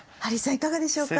いかがでしょうか？